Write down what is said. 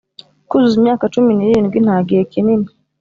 kuzuza imyaka cumi n'irindwi, nta gihe kinini,